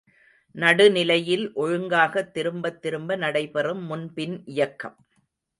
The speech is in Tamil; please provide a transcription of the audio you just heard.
நடுநிலையில் ஒழுங்காகத் திரும்பத் திரும்ப நடைபெறும் முன்பின் இயக்கம்.